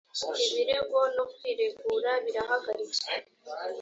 ibirego no kwiregura birahagaritswe